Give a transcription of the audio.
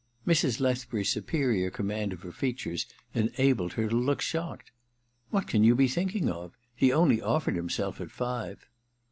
* Mrs. Lethbury's superior command of her features enabled her to look shocked. *What can you be thinking of? He only offered himself at five